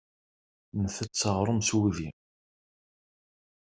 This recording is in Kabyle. Ntett aɣṛum s wudi.